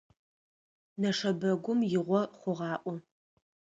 Нэшэбэгум игъо хъугъаӀо.